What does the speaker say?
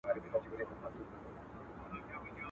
پیدا کړی چي خدای تاج او سلطنت دی.